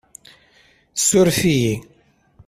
Suref-iyi!